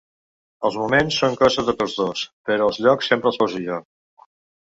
Els moments són cosa de tots dos, però els llocs sempre els poso jo.